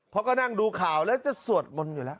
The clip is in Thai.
เพราะก็นั่งดูข่าวแล้วจะสวดมนต์อยู่แล้ว